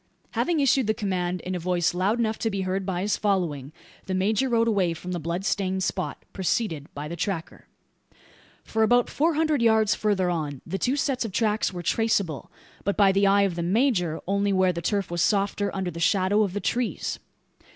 Having issued the command, in a voice loud enough to be heard by his following, the major rode away from the bloodstained spot, preceded by the tracker. For about four hundred yards further on, the two sets of tracks were traceable; but by the eye of the major, only where the turf was softer under the shadow of the trees.